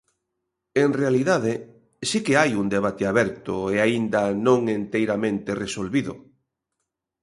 En realidade, si que hai un debate aberto e aínda non enteiramente resolvido.